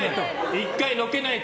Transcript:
１回のけないと。